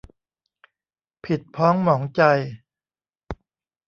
ผิดพ้องหมองใจ